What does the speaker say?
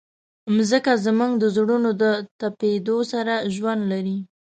مځکه زموږ د زړونو د تپېدو سره ژوند لري.